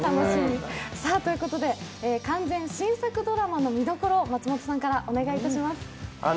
完全新作ドラマの見どころを松本さんからお願いいたします。